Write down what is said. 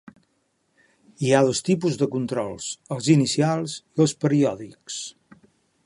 Hi ha dos tipus de controls, els inicials i els periòdics.